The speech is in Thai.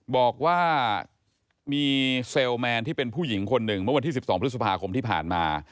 บอกว่ามีเซลล์แมนที่เป็นผู้หญิงคนหนึ่งเมื่อวันที่๑๒พฤษภาคมที่ผ่านมา